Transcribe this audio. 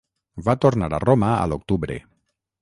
Va tornar a Roma a l'octubre.